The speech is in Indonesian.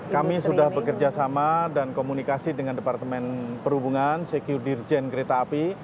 kami sudah bekerja sama dan komunikasi dengan departemen perhubungan secure dirjen kereta api